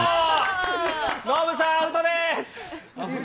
ノブさん、アウトです。